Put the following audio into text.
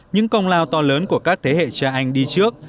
những công lao to lớn của các thế hệ cha anh đi trước